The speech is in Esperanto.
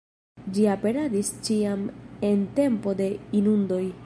Ĝi aperadis ĉiam en tempo de inundoj.